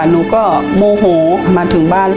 หนูก็โมโหมาถึงบ้าน